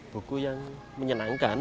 buku yang menyenangkan